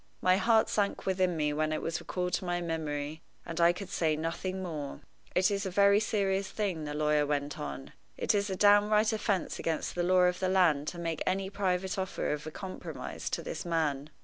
My heart sank within me when it was recalled to my memory, and I could say nothing more. "It is a very serious thing," the lawyer went on "it is a downright offense against the law of the land to make any private offer of a compromise to this man.